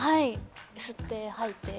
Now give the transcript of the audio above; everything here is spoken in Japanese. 吸って吐いて。